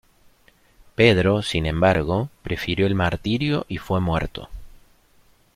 Pedro, sin embargo, prefirió el martirio y fue muerto.